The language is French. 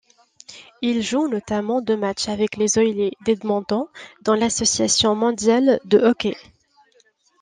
Il joue notamment deux matchs avec les Oilers d'Edmonton dans l'Association mondiale de hockey.